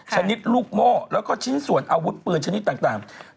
ชนิดลูกโม่แล้วก็ชิ้นส่วนอาวุธปืนชนิดต่าง